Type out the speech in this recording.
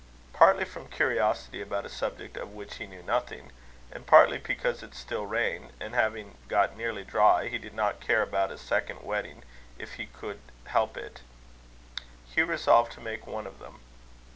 Partly from curiosity about a subject of which he knew nothing, and partly because it still rained, and, having got nearly dry, he did not care about a second wetting if he could help it, Hugh resolved to make one of them.